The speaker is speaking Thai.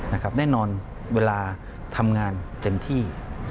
แน่นอนเวลาทำงานเต็มที่